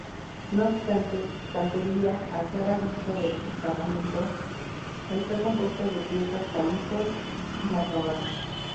No obstante cantería a cara vista del paramento está compuesta de piezas calizas inacabadas.